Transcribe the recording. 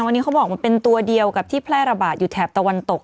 วันนี้เขาบอกว่าเป็นตัวเดียวกับที่แพร่ระบาดอยู่แถบตะวันตก